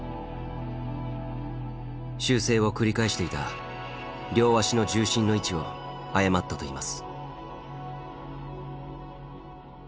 修正を繰り返していた両足の重心の位置を誤ったといいます。